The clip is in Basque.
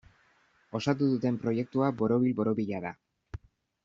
Osatu duten proiektua borobil-borobila da.